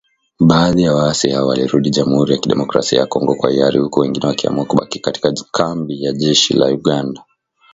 Baadhi ya waasi hao walirudi Jamhuri ya kidemokrasia ya Kongo kwa hiari huku wengine wakiamua kubaki katika kambi ya jeshi la Uganda.